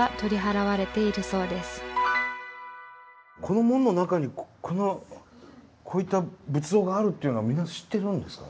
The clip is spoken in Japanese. この門の中にこういった仏像があるっていうのはみんな知ってるんですかね？